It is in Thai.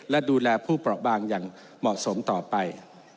และดูแลผู้เปราะบางอย่างเหมาะสมต่อไป